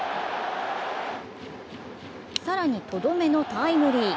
更に、とどめのタイムリー。